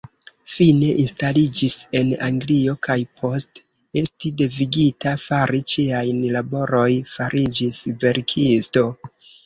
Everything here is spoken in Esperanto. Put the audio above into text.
Fine instaliĝis en Anglio, kaj post esti devigita fari ĉiajn laboroj fariĝis verkisto.